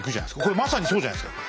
これまさにそうじゃないですか。